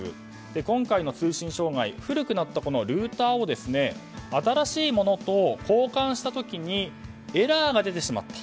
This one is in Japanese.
今回の通信障害は古くなったルーターを新しいものと交換した時にエラーが出てしまった。